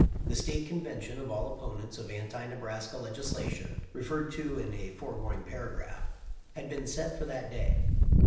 The State convention of all opponents of anti Nebraska legislation, referred to in a foregoing para graph, had been set for that day.